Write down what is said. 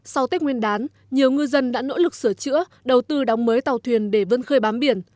sau tết nguyên đán nhiều ngư dân đã nỗ lực sửa chữa đầu tư đóng mới tàu thuyền để vân khơi bám biển